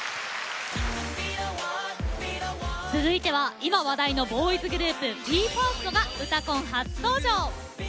続いては今話題のボーイズグループＢＥ：ＦＩＲＳＴが「うたコン」初登場。